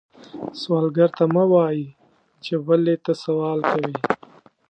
سوالګر ته مه وایې چې ولې ته سوال کوې